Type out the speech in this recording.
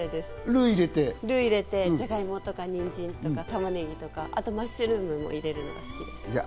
ルーを入れてじゃがいもとか、にんじんとか玉ねぎとか、あとマッシュルームも入れるの好きです。